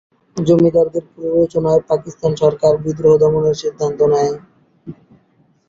জমিদারদের প্ররোচনায় পাকিস্তান সরকার বিদ্রোহ দমনের সিদ্ধান্ত নেয়।